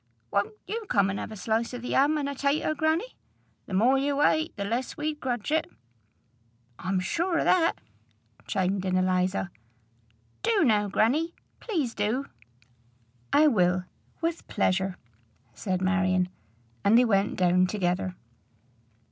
Won't you come and have a slice o' the 'am, an' a tater, grannie? The more you ate, the less we'd grudge it." "I'm sure o' that," chimed in Eliza. "Do now, grannie; please do." "I will, with pleasure," said Marion; and they went down together.